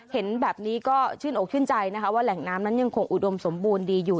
เห็นแบบนี้ก็ชื่นอกชื่นใจนะคะว่าแหล่งน้ำนั้นยังคงอุดมสมบูรณ์ดีอยู่